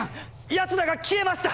やつらが消えました！